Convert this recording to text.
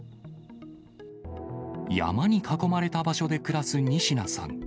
山に囲まれた場所で暮らす仁科さん。